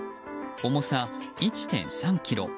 重さ１．３ｋｇ。